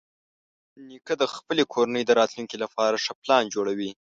نیکه د خپلې کورنۍ د راتلونکي لپاره ښه پلان جوړوي.